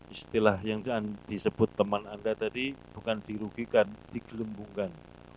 istilah yang disebut teman anda tadi bukan dirugikan digelembungkan